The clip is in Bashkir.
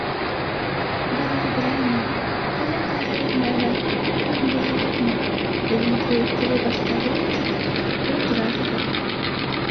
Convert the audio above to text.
дарҙы беләм мин, хәйләкәрһегеҙме әллә түҙемлеһегеҙме, j беҙҙең кеүек ҡыҙыу баштарҙы тиҙ һыуындыраһығыҙ